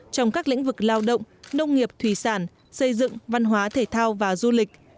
trong các lĩnh vực lao động nông nghiệp thủy sản xây dựng văn hóa thể thao và du lịch